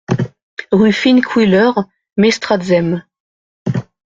Rue Finkwiller, Meistratzheim